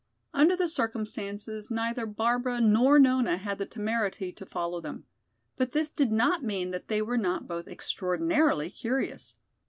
Under the circumstances neither Barbara nor Nona had the temerity to follow them. But this did not mean that they were not both extraordinarily curious.